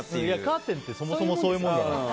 カーテンってそもそもそういうもの。